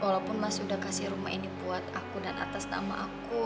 walaupun mas sudah kasih rumah ini buat aku dan atas nama aku